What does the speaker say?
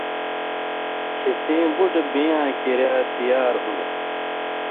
کھیں سېں بُٹ بېں یاں کِریا تیار ہُون٘دہۡ،